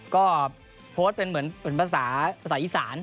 ก็โพสต์เป็นภาษาอีสาน